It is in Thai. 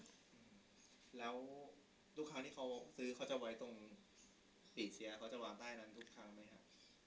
อืมแล้วลูกค้าที่เขาซื้อเขาจะไว้ตรงสีเสียเขาจะวางใต้นั้นทุกครั้งไหมครับ